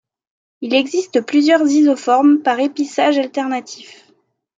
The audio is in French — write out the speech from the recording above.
Il existe plusieurs isoformes par épissage alternatif.